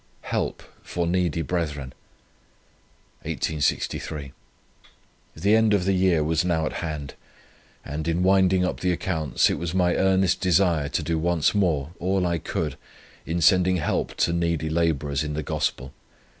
HELP FOR NEEDY BRETHREN. 1863. "The end of the year was now at hand, and, in winding up the accounts, it was my earnest desire, to do once more all I could, in sending help to needy labourers in the gospel.